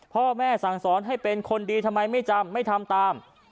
พ่อแม่สั่งสอนให้เป็นคนดีทำไมไม่จำไม่ทำตาม